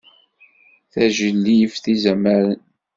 Tajlibt izamaren.